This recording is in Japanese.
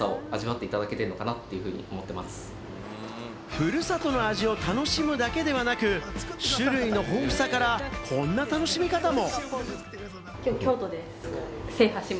ふるさとの味を楽しむだけではなく、種類の豊富さからこんな楽しみ方も。